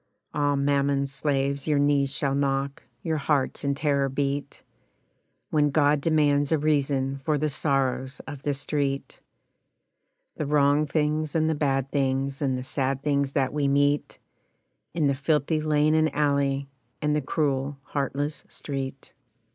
Ah! Mammon's slaves, your knees shall knock, your hearts in terror beat, When God demands a reason for the sorrows of the street, The wrong things and the bad things And the sad things that we meet In the filthy lane and alley, and the cruel, heartless street.